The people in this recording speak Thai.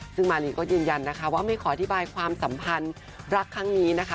ซึ่งมารีก็ยืนยันนะคะว่าไม่ขออธิบายความสัมพันธ์รักครั้งนี้นะคะ